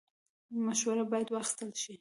مشوره باید واخیستل شي